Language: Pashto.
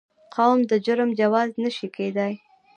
قوم د جرم جواز نه شي کېدای.